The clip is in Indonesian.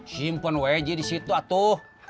simpen wajah disitu atuh